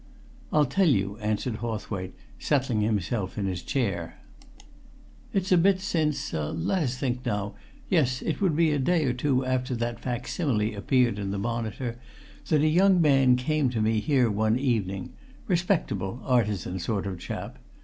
"I'll tell you," answered Hawthwaite, settling himself in his chair. "It's a bit since let us think, now yes, it would be a day or two after that facsimile appeared in the Monitor that a young man came to me here one evening: respectable artisan sort of chap.